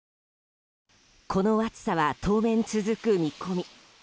この暑さは、当面続く見込み。